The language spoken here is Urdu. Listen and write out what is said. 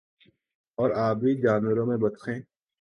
اور آبی جانوروں میں بطخیں